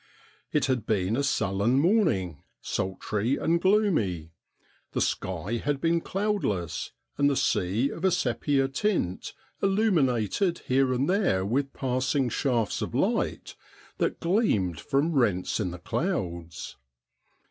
It had been a sullen morning ; sultry and gloomy. The sky had been cloudless, and the sea of a sepia tint, illuminated here and there with passing shafts of light that gleamed from rents in the clouds.